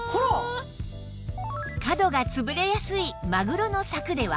角が潰れやすいマグロのサクでは？